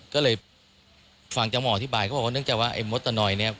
ก็เลยฟังจากหมออธิบายเขาบอกว่าเนื่องจากว่าไอ้มดตะนอยเนี่ย